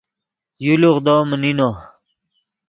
یو لوغدو من نینو